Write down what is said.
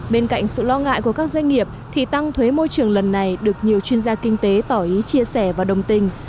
bên cạnh sự lo ngại của các doanh nghiệp thì tăng thuế môi trường lần này được nhiều chuyên gia kinh tế tỏ ý chia sẻ và đồng tình